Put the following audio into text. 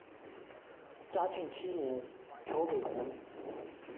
嘉庆七年调湖北。